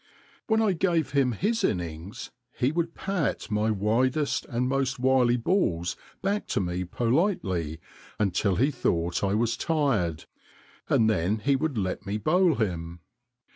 When I gave REAL CRICKET 117 him his innings he would pat my widest and most wily balls back to me politely until he thought I was tired, and then he would let me bowl him.